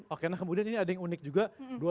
oke nah kemudian ini ada yang unik juga